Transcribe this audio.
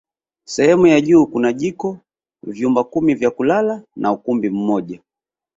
Sehemu ya juu kuna jiko vyumba kumi vya kulala na ukumbi mmoja